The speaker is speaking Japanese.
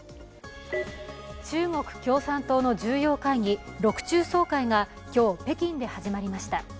中国・共産党の重要会議、六中総会が今日、北京で始まりました。